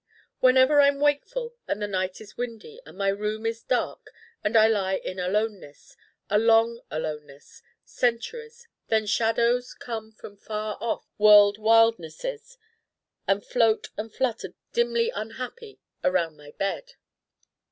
Whenever I'm wakeful and the night is windy and my room is dark and I lie in aloneness a long aloneness: centuries then shadows come from far off world wildnesses and float and flutter dimly unhappy around my bed.